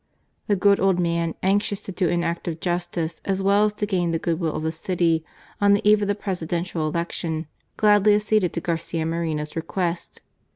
The good old man, anxious to do an act of justice as well as to gain the good will of the city on the eve of the Presidential Election, gladly acceded to Garcia Moreno's request.